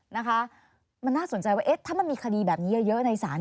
นะคะมันน่าสนใจว่าเอ๊ะถ้ามันมีคดีแบบนี้เยอะในศาล